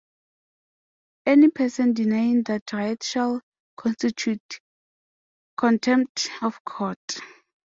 Any person denying that right shall constitute contempt of court.